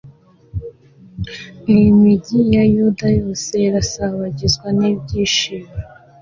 n'imigi ya yuda yose irasabagizwa n'ibyishimo